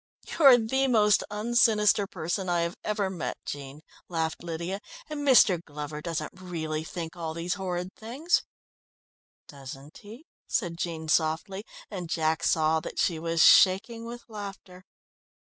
"You're the most un sinister person I have ever met, Jean," laughed Lydia, "and Mr. Glover doesn't really think all these horrid things." "Doesn't he?" said Jean softly, and Jack saw that she was shaking with laughter.